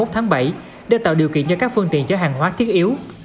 ba mươi một tháng bảy để tạo điều kiện cho các phương tiện chở hàng hóa thiết yếu